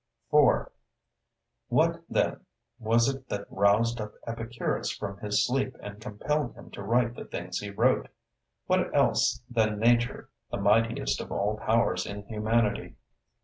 4. What, then, was it that roused up Epicurus from his sleep, and compelled him to write the things he wrote? What else than Nature, the mightiest of all powers in humanity?